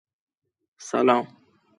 ته مستدلی